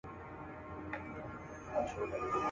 ویل ورک سه زما له مخي له درباره!.